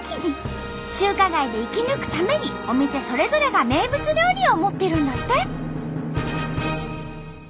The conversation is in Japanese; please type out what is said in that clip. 中華街で生き抜くためにお店それぞれが名物料理を持ってるんだって。